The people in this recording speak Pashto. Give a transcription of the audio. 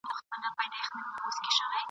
نه ټګي د مولویانو نه بدمرغه واسکټونه !.